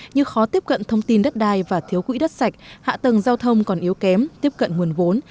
như khó tiếp cận thông tin đất đai và thiếu quỹ đất sạch hạ tầng giao thông còn yếu kém tiếp cận nguồn vốn